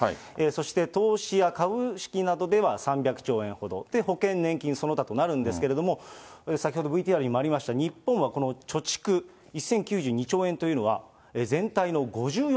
そして投資や株式などでは３００兆円ほど、保険、年金、その他となるんですけれども、先ほどＶＴＲにもありました、日本はこの貯蓄１０９２兆円というのが、全体の５４％。